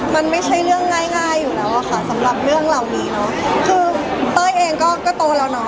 มันไม่ใช่เรื่องง่ายง่ายอยู่แล้วอะค่ะสำหรับเรื่องเหล่านี้เนอะคือเต้ยเองก็ก็โตแล้วเนาะ